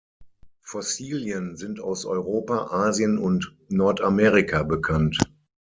Fossilien sind aus Europa, Asien und Nordamerika bekannt.